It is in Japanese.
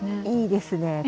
いいですね。